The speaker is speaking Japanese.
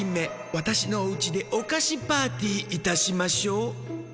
わたしのおうちでおかしパーティーいたしましょう！」。